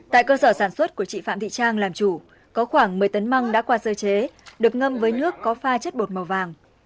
tại cơ sở sản xuất của chị phạm thị trang làm chủ có khoảng một mươi tấn măng đã qua sơ chế được ngâm với nước có pha chất bột màu vàng